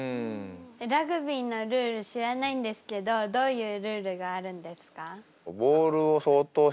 ラグビーのルール知らないんですけどどういうルールがあるんですか？